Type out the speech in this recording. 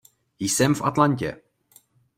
Jsem v Atlantě.